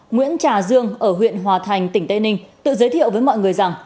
nguyễn trà dương ở huyện hòa thành tỉnh tây ninh tự giới thiệu với mọi người rằng